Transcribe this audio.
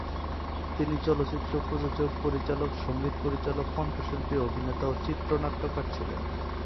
তিনি চলচ্চিত্র প্রযোজক, পরিচালক, সঙ্গীত পরিচালক, কণ্ঠশিল্পী, অভিনেতা ও চিত্রনাট্যকার ছিলেন।